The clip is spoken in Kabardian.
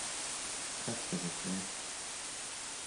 Хэт фызыхуейр?